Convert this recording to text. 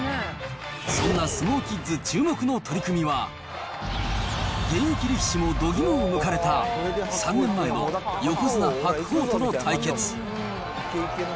そんな相撲キッズ注目の取り組みは、現役力士もどぎもを抜かれた、３年前の横綱・白鵬との対決。